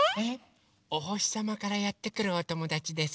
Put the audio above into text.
おほしさまからやってくるおともだちです。